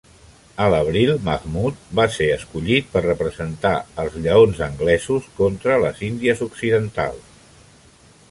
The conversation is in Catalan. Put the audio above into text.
A l'abril, Mahmood va ser escollit per representar els Lleons Anglesos contra les Indies Occidentals.